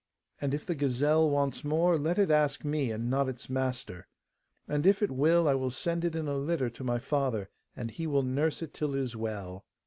And if the gazelle wants more, let it ask me, and not its master. And if it will, I will send it in a litter to my father, and he will nurse it till it is well.